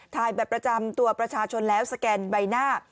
แบบประจำตัวประชาชนแล้วสแกนใบหน้า